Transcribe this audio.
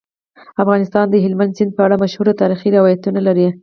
افغانستان د هلمند سیند په اړه مشهور تاریخی روایتونه لري.